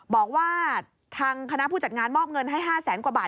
บอกว่าทางคณะผู้จัดงานมอบเงินให้๕แสนกว่าบาท